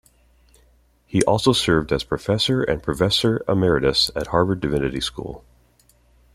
He also served as professor and professor emeritus at Harvard Divinity School.